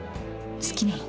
好きなの？